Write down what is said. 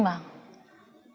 nhà cửa thì là